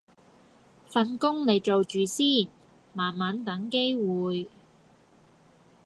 份工你做住先，慢慢等機會